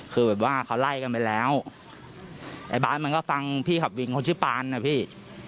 คือแบบว่าเขาไล่กันไปแล้วไอ้บาทมันก็ฟังพี่ขับวินคนชื่อปานนะพี่